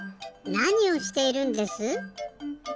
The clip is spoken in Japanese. なにをしているんです？